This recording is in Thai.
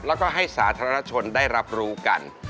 แล้วก็ให้สาธารณชนได้รับรู้กัน